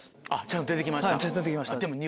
ちゃんと出て来ました。